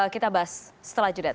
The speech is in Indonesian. kita bahas setelah jeda